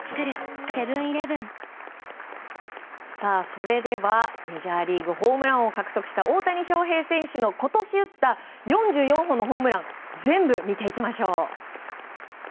それではメジャーリーグホームラン王を獲得した大谷翔平選手の今年打った４４本のホームラン全部見ていきましょう。